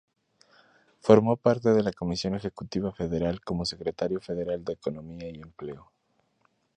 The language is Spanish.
Formó parte de la Comisión Ejecutiva Federal como Secretario Federal de Economía y Empleo.